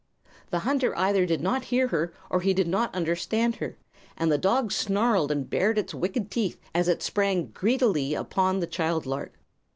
The hunter either did not hear her or he did not understand her, and the dog snarled and bared its wicked teeth as it sprang greedily upon the child lark.